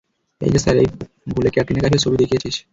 এইযে স্যার, এই, ভুলে ক্যাটরিনা কাইফের ছবি দেখিয়েছিস।